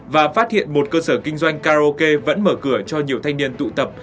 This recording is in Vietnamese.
và phát hiện một cơ sở kinh doanh karaoke vẫn mở cửa cho nhiều thanh niên tụ tập